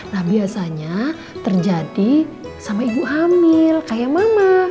nah biasanya terjadi sama ibu hamil kayak mama